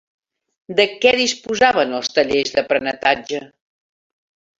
De què disposaven els tallers d'aprenentatge?